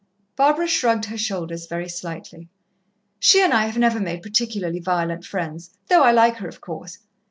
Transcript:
Barbara shrugged her shoulders very slightly. "She and I have never made particularly violent friends, though I like her, of course.